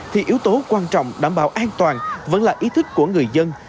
thì yếu tố quan trọng đảm bảo an toàn vẫn là ý thức của người dân